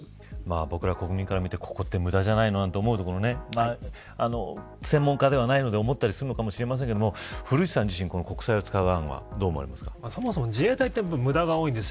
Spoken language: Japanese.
僕ら国民から見てここって無駄じゃないのなんて思うことは専門家ではないので思ったりするのかもしれませんが古市さん自身、国債をそもそも自衛隊って無駄が多いです。